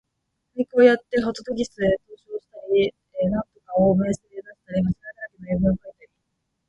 俳句をやってほととぎすへ投書をしたり、新体詩を明星へ出したり、間違いだらけの英文をかいたり、